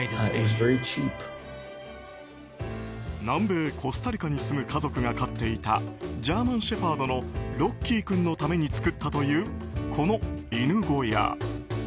南米コスタリカに住む家族が飼っていたジャーマン・シェパードのロッキー君のために作ったというこの犬小屋。